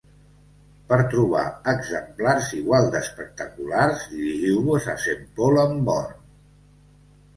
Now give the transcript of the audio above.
Per trobar exemplars igual d'espectaculars dirigiu-vos a Saint-Paul-en-Born.